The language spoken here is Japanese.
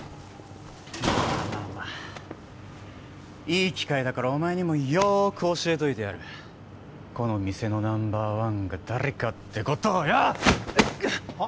まあまあまあまあいい機会だからお前にもよく教えといてやるこの店のナンバーワンが誰かってことをよ！